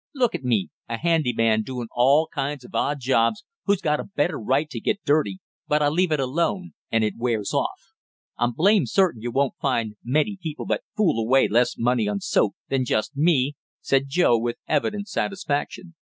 Look at me, a handy man doing all kinds of odd jobs, who's got a better right to get dirty but I leave it alone and it wears off. I'm blame certain you won't find many people that fool away less money on soap than just me!" said Joe with evident satisfaction.